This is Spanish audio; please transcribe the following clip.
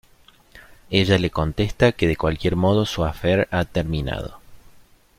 Ella le contesta que de cualquier modo su affaire ha terminado.